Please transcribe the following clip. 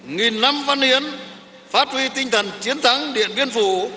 nghìn năm văn hiến phát huy tinh thần chiến thắng điện biên phủ